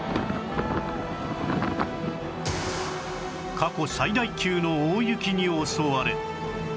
過去最大級の大雪に襲われ